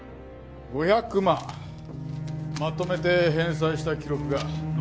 ５００万まとめて返済した記録が残ってましたよ。